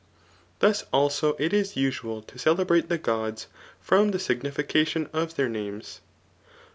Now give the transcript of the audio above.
Thus also it is usual to celebrate the gods [from the sig nifieadoii of their names.